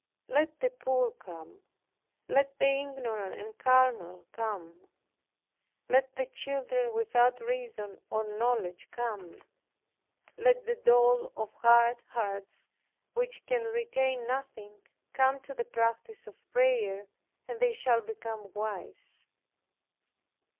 Let the poor come, let the ignorant and carnal come; let the children without reason or knowledge come, let the dull or hard hearts which can retain nothing come to the practice of prayer and they shall become wise.